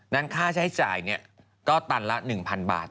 นั่นค่าใช้จ่ายนี่ก็ตันละ๑๐๐๐บาท